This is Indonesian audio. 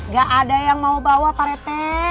gak ada yang mau bawa parete